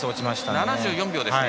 ７４秒ですね。